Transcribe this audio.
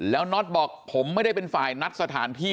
แล้วน็อตบอกผมไม่ได้เป็นฝ่ายนัดสถานที่